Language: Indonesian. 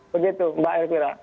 begitu mbak elvira